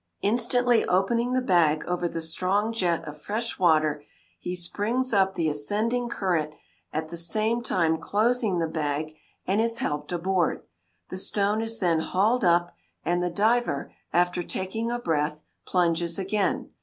Instantly opening the bag over the strong jet of fresh water, he springs up the ascending current, at the same time closing the bag, and is helped aboard. The stone is then hauled up, and the diver, after taking a breath, plunges again.